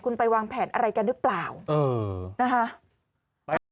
คุณไปวางแผนอะไรกันหรือเปล่านะคะ